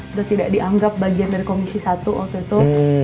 sudah tidak dianggap bagian dari komisi satu waktu itu